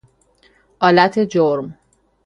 آلت جرم